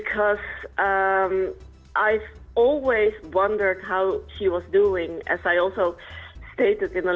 karena saya selalu bertanya tentang cara dia melakukannya